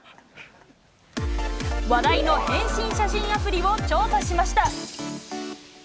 話題の変身写真アプリを調査しました。